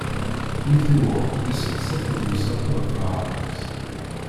Mi tiweḍ yesteqsa-tt-id umsaltu ɣef laɛmar-is.